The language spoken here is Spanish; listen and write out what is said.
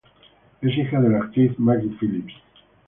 Es hija de la actriz Maggie Phillips.